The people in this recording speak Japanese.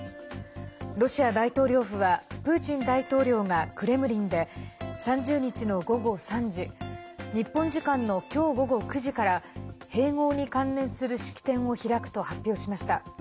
ロシア大統領府はプーチン大統領がクレムリンで３０日の午後３時日本時間の今日午後９時から併合に関連する式典を開くと発表しました。